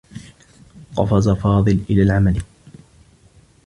قفز فاضل إلى العمل.